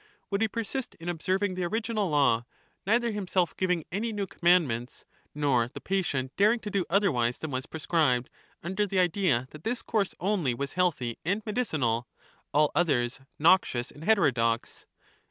Would he persist in observing the original law, neither himself giving any new commandments, nor the patient daring to do otherwise than was prescribed, under Digitized by VjOOQIC Methods of reform. 499 the idea that this course only was healthy and medicinal, all Statesman. others noxious and heterodox?